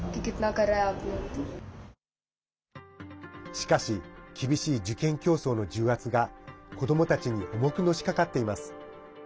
しかし厳しい受験競争の重圧が子どもたちに重くのしかかっています。